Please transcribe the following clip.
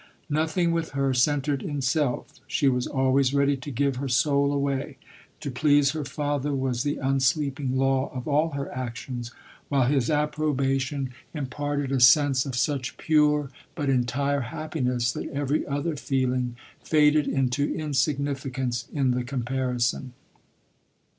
Nothing with her centred in self; she was always ready to give her soul away : to please her father was the unsleeping law of all her actions, while his approbation im c 5 34 LODORK. parted a sense of such pure but entire happi ness, that every other feeling faded into insig nificance in the comparison.